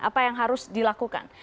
apa yang harus dilakukan